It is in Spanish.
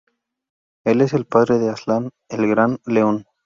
Él es el padre de Aslan, el gran león.